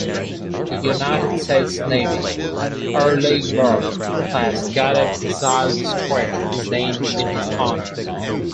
The United States Navy "Arleigh Burke"-class guided missile destroyer is named in his honor.